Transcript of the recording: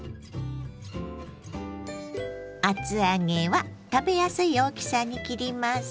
厚揚げは食べやすい大きさに切ります。